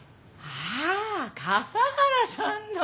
ああ笠原さんの？